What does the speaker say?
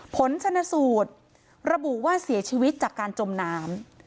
ผลชนสูตรระบุว่าเสียชีวิตจากการจมน้ำ